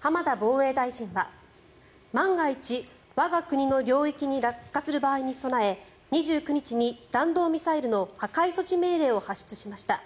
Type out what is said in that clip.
浜田防衛大臣は万が一、我が国の領域に落下する場合に備え２９日に弾道ミサイルの破壊措置命令を発出しました。